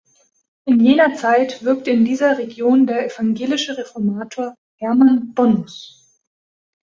In jener Zeit wirkte in dieser Region der evangelische Reformator Hermann Bonnus.